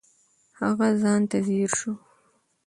هغه ځان ته ځیر شو.